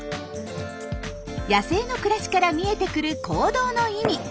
野生の暮らしから見えてくる行動の意味。